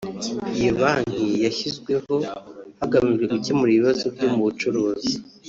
Iyo Banki yashyizweho hagamijwe gukemura ibibazo byo mu bucuruzi